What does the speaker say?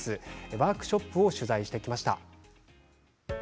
ワークショップを取材してきました。